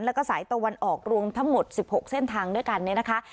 แล้วก็สายตะวันออกรวมทั้งหมด๑๖เส้นทางด้วยกันเนี่ยนะคะ